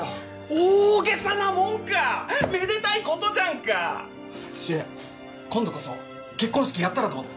大げさなもんかめでたいことじゃんか柊今度こそ結婚式やったらどうだ？